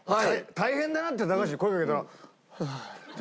「大変だな」って高橋に声かけたら「はい」。